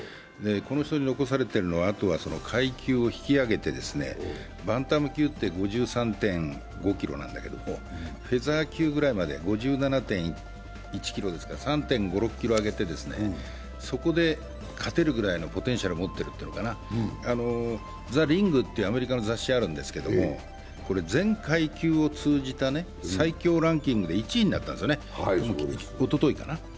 この人に残されているのは階級を引き上げてバンタム級って５３．５ｋｇなんだけれどもフェザー級まで、５７．１ｋｇですから３．５３．６ｋｇ上げてそこで勝てるぐらいのポテンシャル持ってる、「ザ・リング」というアメリカの雑誌があるんですけれども全階級を通じた最強ランキングで１位になったんですね、おとといかな。